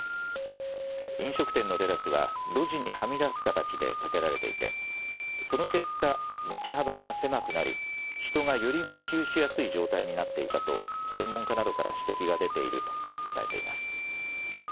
飲食店のテラスは路地にはみ出す形で建てられていて、その結果、道幅が狭くなり、人がより密集しやすい状態になっていたと、専門家などから指摘が出ていると伝えています。